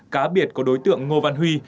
cá biệt có đối tượng ngô văn huy